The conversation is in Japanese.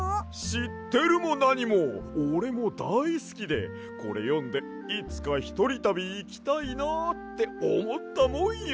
しってるもなにもおれもだいすきでこれよんでいつかひとりたびいきたいなっておもったもんよ！